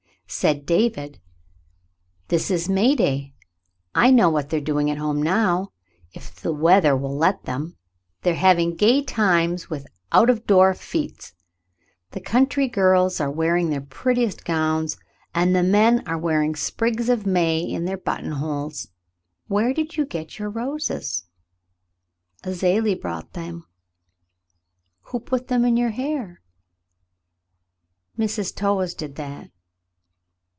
Said David: "This is May day. I know what they're doing at home now, if the weather will let them. They're having gay times with out of door fetes. The country girls are wearing their prettiest gowns, and the men are wearing sprigs of May in their buttonholes. Where did you get your roses ?" "Azalie brought them." *'And who put them in your hair.'*" "Mrs. Towahs did that.